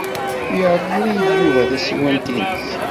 Yerḍel-iyi-d Yuba tasiwant-nnes.